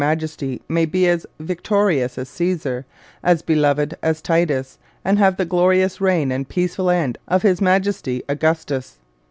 Majesty may bee as victorious as Caesar, as beloved as Titus, and have the glorious long reign and peaceful end of His Majesty Augustus.'